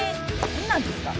何なんですか？